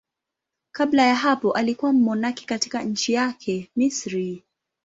Kabla ya hapo alikuwa mmonaki katika nchi yake, Misri.